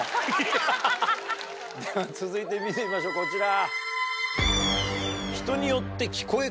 続いて見てみましょうこちら。